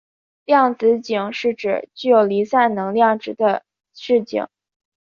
量子阱是指具有离散能量值的势阱。